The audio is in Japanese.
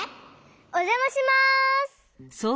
おじゃまします。